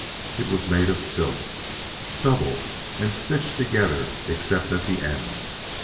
It was made of silk, doubled, and stitched together except at the ends.